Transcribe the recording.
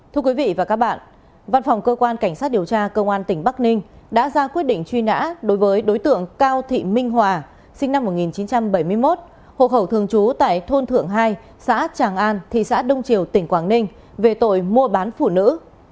thưa quý vị và các bạn văn phòng cơ quan cảnh sát điều tra công an tỉnh bắc ninh đã ra quyết định truy nã đối với đối tượng cao thị minh hòa sinh năm một nghìn chín trăm bảy mươi một hộ khẩu thường trú tại thôn thượng hai xã tràng an thị xã đông triều tỉnh quảng ninh về tội mua bán phụ nữ